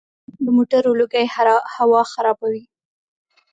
د موټرو لوګی هوا خرابوي.